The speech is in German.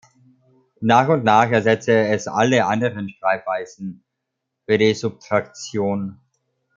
Nach und nach ersetzte es alle anderen Schreibweisen für die Subtraktion.